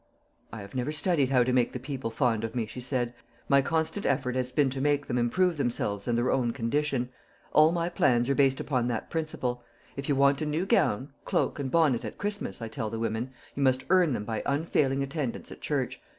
"I have never studied how to make the people fond of me," she said. "My constant effort has been to make them improve themselves and their own condition. All my plans are based upon that principle. 'If you want a new gown, cloak, and bonnet at Christmas,' I tell the women, 'you must earn them by unfailing attendance at church.